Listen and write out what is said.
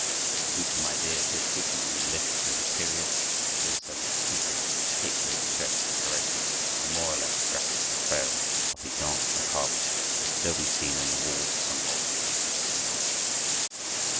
This gruesome idea appears frequently in the literature of the period, and also in its painting, particularly in church decoration, and a more or less graphic portrayal of the "Danse Macabre" may still be seen on the walls of some old cathedrals and monasteries.